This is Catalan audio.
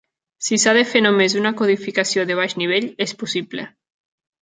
Si s'ha de fer només una codificació de baix nivell, és possible.